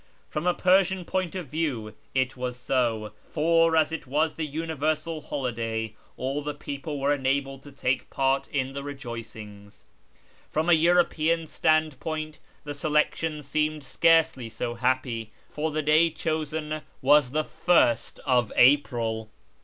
From a 'ursian point of view it was so, for, as it is a universal loliday, all the people were enabled to take part in the rejoic ngs. From a European standpoint the selection seemed carcely so happy, for the day chosen was the first of April.